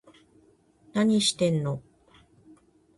何してんの